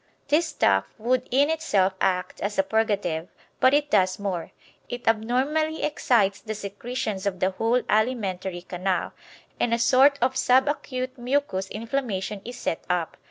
This stuff would in itself act as a purgative, but it does more, it abnormally excites the secretions of the whole alimentary canal, and a sort of sub acute mucous inflammation is set up.